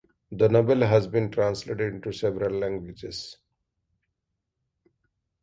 The novel has been translated into several languages.